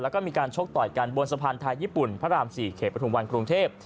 แล้วก็มีการชกต่อยกันบนสะพานไทยญี่ปุ่นพระราม๔เขตประทุมวันกรุงเทพ